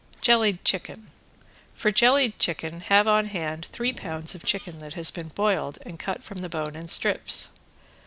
~JELLIED CHICKEN~ For jellied chicken have on hand three pounds of chicken that has been boiled and cut from the bone in strips.